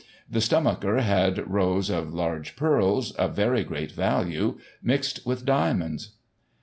The stomacher had rows of lajge pearls, of very great value, mixed with diamonds.